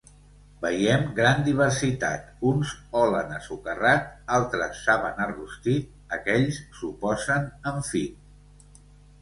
Veiem gran diversitat: uns olen a socarrat, altres saben a rostit, aquells suposen enfit.